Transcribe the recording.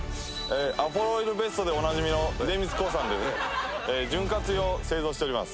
アポロイルＢＥＳＴでおなじみの出光興産で潤滑油を製造しております